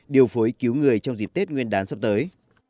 điều phối cứu người trong dịp tết nguyên đán sắp tới